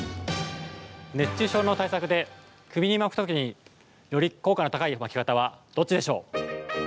熱中症の対策で首に巻くときにより効果の高い巻き方はどっちでしょう？